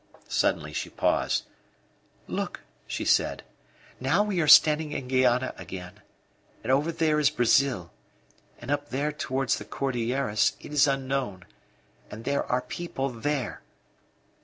Suddenly she paused. "Look," she said, "now we are standing in Guayana again. And over there in Brazil, and up there towards the Cordilleras, it is unknown. And there are people there.